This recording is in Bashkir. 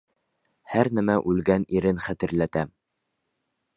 Һәр нәмә үлгән ирен хәтерләтә.